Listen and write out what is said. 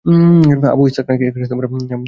আবু ইসহাক নাকি?